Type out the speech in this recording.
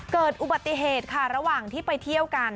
เกิดอุบัติเหตุค่ะระหว่างที่ไปเที่ยวกัน